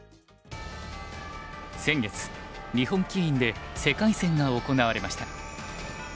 先月日本棋院で世界戦が行われました。